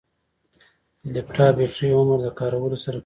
د لپټاپ بیټرۍ عمر د کارولو سره کمېږي.